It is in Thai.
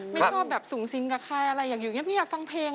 ไม่ชอบแบบสูงซิงใช่ไหมอยากอยู่เงียบฟังเพลง